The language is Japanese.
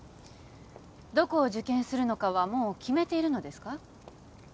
どこを受験するのかはもう決めているのですか？